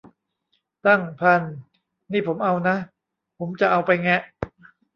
ตั้ง พัน นี่ผมเอานะ ผมจะเอาไปแงะ